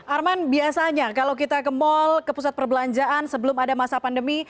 arman biasanya kalau kita ke mall ke pusat perbelanjaan sebelum ada masa pandemi